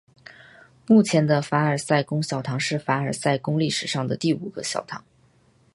目前的凡尔赛宫小堂是凡尔赛宫历史上的第五个小堂。